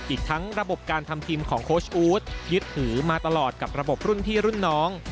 อีกทั้งระบบการทำทีมของโค้ชอู๊ดยึดถือมาตลอดกับระบบรุ่นพี่รุ่นน้อง